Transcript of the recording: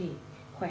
vệ sinh đúng cách